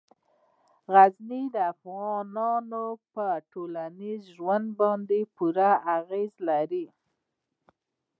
غزني د افغانانو په ټولنیز ژوند باندې پوره اغېز لري.